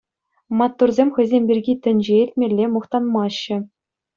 Маттурсем хӑйсем пирки тӗнче илтмелле мухтанмаҫҫӗ.